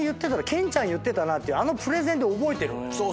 ケンちゃん言ってたなってあのプレゼンで覚えてるのよ。